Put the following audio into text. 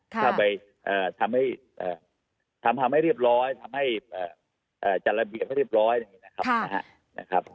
เข้าไปทำให้เรียบร้อยทำให้จัดระเบียบให้เรียบร้อยนะครับ